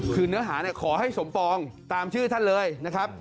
คือเนื้อหาขอให้สมปองตามชื่อท่านเลยนะครับ